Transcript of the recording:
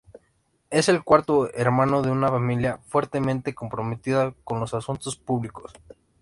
Es el cuarto hermano de una familia fuertemente comprometida con los asuntos públicos.